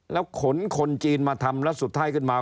แล้วขนคนจีนมาทำแล้วสุดท้ายขึ้นมา